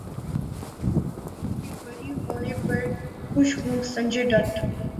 سلمان خان کے بری ہونے پر خوش ہوں سنجے دت